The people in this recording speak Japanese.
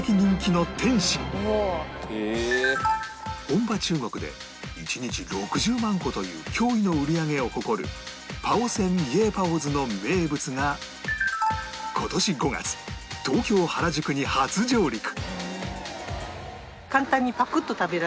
本場中国で１日６０万個という驚異の売り上げを誇るパオセンイェーパオズの名物が今年５月東京原宿に初上陸